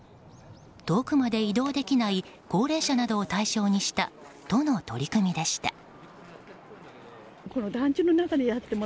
遠くまで移動できない高齢者などを対象にした都の取り組みでした。